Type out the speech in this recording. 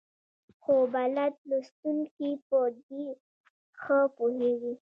خو بلد لوستونکي په دې ښه پوهېږي.